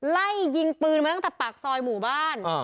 ไล่ยิงปืนมาตั้งแต่ปากซอยหมู่บ้าน